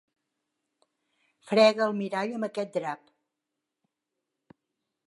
Frega el mirall amb aquest drap.